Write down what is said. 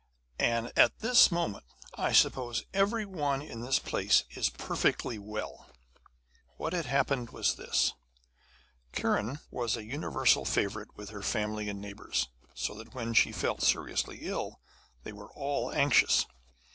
'And at this moment I suppose every one in this place is perfectly well!' What had happened was this: Kiran was a universal favourite with her family and neighbours, so that, when she fell seriously ill, they were all anxious.